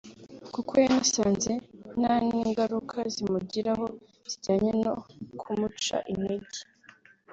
kuko yanasanze nta n’ingaruka zimugiraho zijyanye no kumuca intege